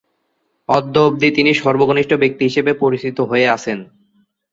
অদ্যাবধি সর্বকনিষ্ঠ ব্যক্তি হিসেবে তিনি পরিচিত হয়ে আছেন।